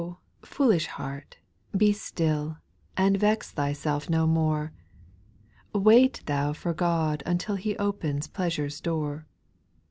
foolish heart, be still, \J And vex thyself no more, Wait thou for God until He opens pleasure's door.